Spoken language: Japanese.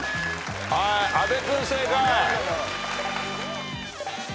阿部君正解。